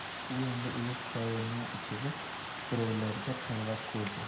U endi ulug‘ shoirni ichirib, birovlarga qayrab ko‘rdi.